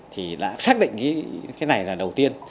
thì đã xác định cái này là đầu tiên